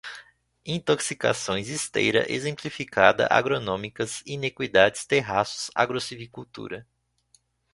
intoxicações, esteira, exemplificada, agronômicas, iniquidades, terraços, agrossilvicultura